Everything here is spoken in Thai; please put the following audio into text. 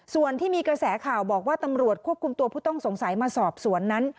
ส่วนที่มีกระแสข่าวบอกว่าตำรวจควบคุมตัวผู้ต้องสงสัยมาสอบสวนนั้น